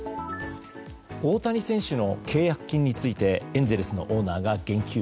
大谷選手の契約金についてエンゼルスのオーナーが言及。